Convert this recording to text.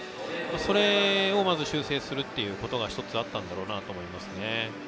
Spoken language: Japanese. それをまず修正することが１つあったんだと思います。